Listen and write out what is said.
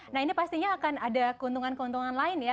nah ini pastinya akan ada keuntungan keuntungan lain ya